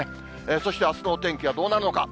そしてあすのお天気はどうなるのか。